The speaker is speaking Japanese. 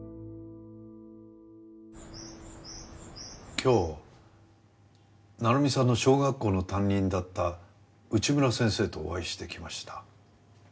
今日成美さんの小学校の担任だった内村先生とお会いしてきました。